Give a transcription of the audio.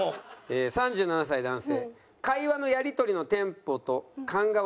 ３７歳男性。